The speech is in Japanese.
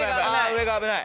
上が危ない。